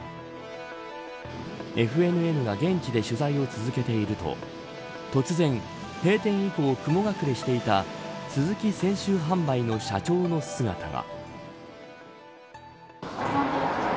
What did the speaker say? ＦＮＮが現地で取材を続けていると突然、閉店以降雲隠れしていたスズキ泉州販売の社長の姿が。